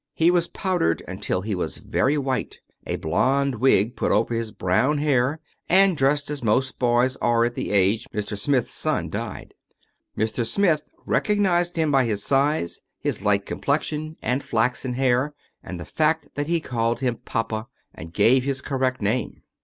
He was powdered until he was very white, a blond wig put over his own hair, and dressed as most boys are at the age Mr. Smith's son died. Mr. Smith recognized him by his size, his light complexion, and flaxen hair, and the fact that he called him '' papa " and gave his correct name.